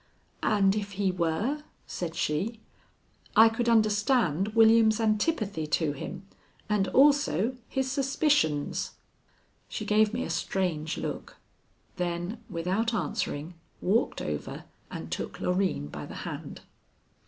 "And if he were?" said she. "I could understand William's antipathy to him and also his suspicions." She gave me a strange look, then without answering walked over and took Loreen by the hand.